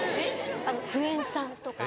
クエン酸とか。